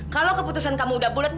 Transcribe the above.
kalau keputusan kamu udah bulat